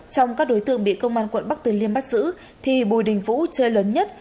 trong các đối tượng bị công an quận bắc từ liêm bắt giữ thì bùi đình vũ chơi lớn nhất